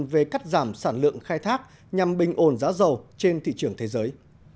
về cắt giảm sản lượng khai thác nhằm bình ổn giá dầu trên thị trường thế giới